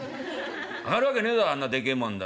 揚がるわけねえぞあんなでけえもん。